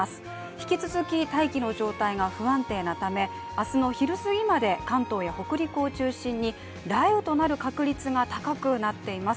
引き続き大気の状態が不安定なため、明日の昼すぎまで関東や北陸を中心に雷雨となる確率が高くなっています。